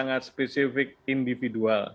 sangat spesifik individual